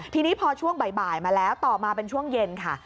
ทีนี้พอช่วงบ่ายมาแล้วต่อมาเป็นช่วงเย็นค่ะ